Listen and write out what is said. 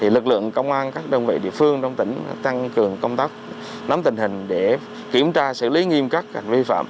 lực lượng công an các đồng vị địa phương trong tỉnh tăng cường công tác nắm tình hình để kiểm tra xử lý nghiêm cắt hành vi phạm